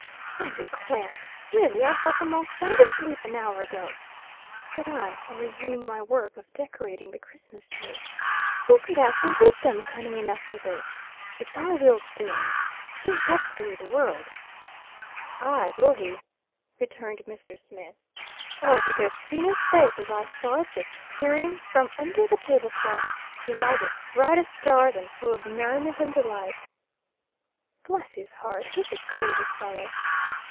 "I declare! Really, I thought them all sound asleep an hour ago," said I, on resuming my work of decorating the Christmas tree, "Who could have believed them cunning enough for this? It's all Will's doings. He'll get through the world." "Aye will he," returned Mr. Smith. "Oh if you could have seen his face as I saw it, just peering from under the table cloth, his eyes as bright as stars, and full of merriment and delight." "Bless his heart! He's a dear little fellow!"